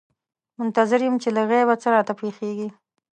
منتظر یم چې له غیبه څه راته پېښېږي.